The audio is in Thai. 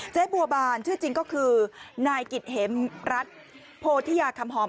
เจ๊บัวบานชื่อจริงก็คือนายกิจเห็มรัฐโพธิยาคำหอม